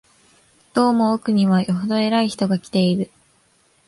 どうも奥には、よほど偉い人が来ている